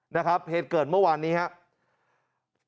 นะครับเหตุเกิดเมื่อวานนี้ครับ